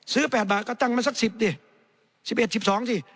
ซื้อ๘บาทก็ตั้งมันสัก๑๐สิ๑๑๑๒สิ